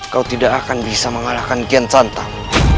kau tidak akan bisa mengalahkan kian santan